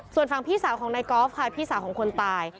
ส่วนฝั่งพี่สาวของนายกอล์ฟค่ะพี่สาวของคนตาย